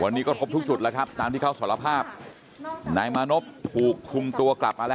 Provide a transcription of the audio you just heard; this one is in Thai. วันนี้ก็พบทุกจุดนะครับนั่นเข้าสรภาพนายมานพภูมิคุมตัวกลับมาล่ะ